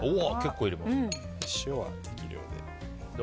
塩は適量で。